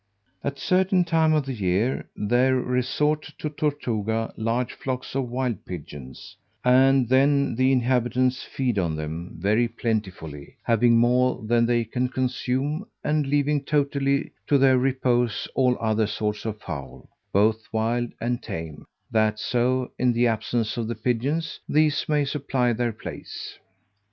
At a certain time of the year there resort to Tortuga large flocks of wild pigeons, and then the inhabitants feed on them very plentifully, having more than they can consume, and leaving totally to their repose all other sorts of fowl, both wild and tame; that so, in the absence of the pigeons, these may supply their place.